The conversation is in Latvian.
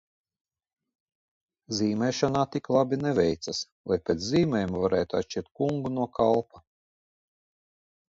Zīmēšana tik labi neveicās, lai pēc zīmējuma varētu atšķirt kungu no kalpa.